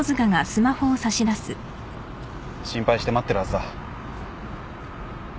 心配して待ってるはずだ。